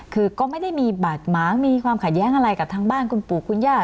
คือก็ไม่ได้มีบาดหมางมีความขัดแย้งอะไรกับทางบ้านคุณปู่คุณย่า